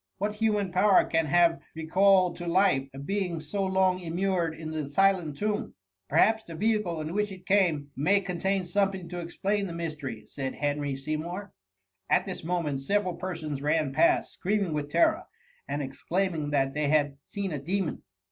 What human power can have recalled to life, a being so long immured in the silent tomb !''Perhaps the vehicle in which it came may contain something to explain the mystery,'* said Henry Seymour. At this moment several persons ran past, screaming with terror, and exclaiming that they had seen a demon.